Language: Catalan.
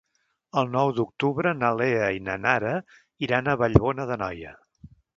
El nou d'octubre na Lea i na Nara iran a Vallbona d'Anoia.